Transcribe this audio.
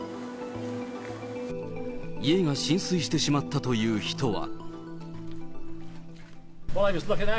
家が浸水してしまったという人は。